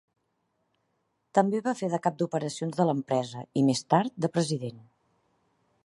També va fer de cap d'operacions de l'empresa i, més tard, de president.